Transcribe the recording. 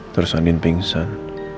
terus andien pingsan